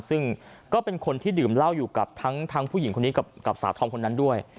ซึ่งก็เป็นคนที่ดื่มเหล้าอยู่กับทั้งผู้หญิงคนนี้กับสาวทอมคนนั้นด้วย